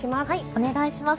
お願いします。